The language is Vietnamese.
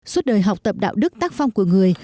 suốt đời học tập đạo đức tác phong của người